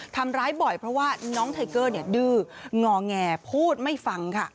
ทำร้ายบ่อยเพราะว่าน้องไทเกอร์ดื้องอแงพูดไม่ฟังค่ะ